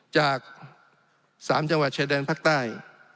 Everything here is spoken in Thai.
จาก๓จังหวัดชายแดนภาคใต้